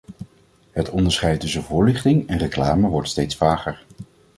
Het onderscheid tussen voorlichting en reclame wordt steeds vager.